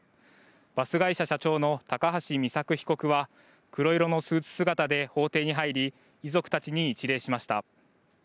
バス会社社長の高橋美作被告は黒色のスーツ姿で法廷に入り遺族たちに一礼しました。